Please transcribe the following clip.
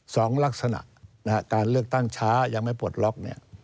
สองลักษณะการเลือกตั้งช้ายังไม่ปลดล็อกเนี่ย